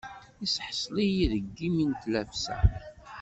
Iseḥṣel-iyi deg imi n tlafsa.